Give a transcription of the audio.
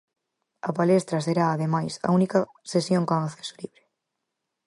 A palestra será, ademais, a única sesión con acceso libre.